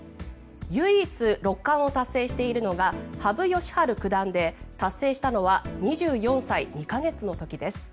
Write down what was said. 唯一、六冠を達成しているのが羽生善治九段で達成したのは２４歳２か月の時です。